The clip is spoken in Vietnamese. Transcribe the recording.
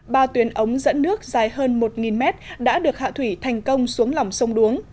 ba tuyến ống dẫn nước dài hơn một mét đã được hạ thủy thành công xuống lòng sông đuống